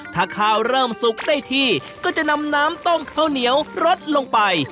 ถ้าข้าวเริ่มสุกได้ที่ก็จะนำน้ำต้มข้าวเหนียวรสลงไป